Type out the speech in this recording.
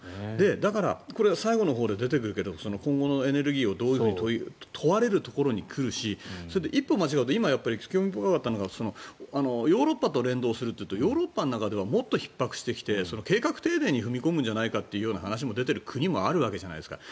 だからこれ、最後のほうで出てくるけど今後のエネルギーをどういうふうにと問われるところに来るし一歩間違うとヨーロッパと連動するというとヨーロッパの中ではもっと計画停電に踏み込むんじゃないかという話も出ている国もあるわけじゃないですか。